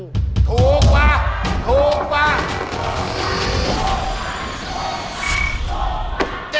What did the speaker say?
อเรนนี่มันต้องฟังอยู่ค่ะ